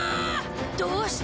どうして？